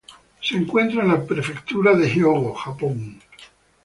Se encuentran en la prefectura de Hyōgo, Japón.